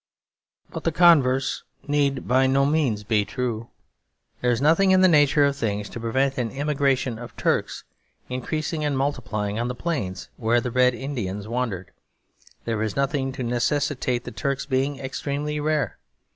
But the converse need by no means be true. There is nothing in the nature of things to prevent an emigration of Turks increasing and multiplying on the plains where the Red Indians wandered; there is nothing to necessitate the Turks being extremely rare.